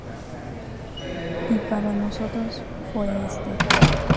Y para nosotros, fue este.